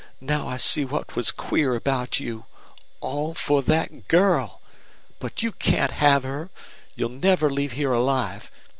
Now I see what was queer about you. All for that girl! But you can't have her. You'll never leave here alive.